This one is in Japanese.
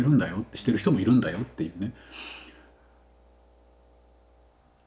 してる人もいるんだよ」っていうね。